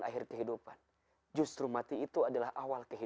dunia bukan tempat tinggal kita